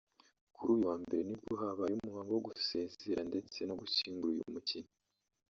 Kuri uyu wa mbere nibwo habaye umuhango wo gusezera ndetse no gushyingura uyu mukinnyi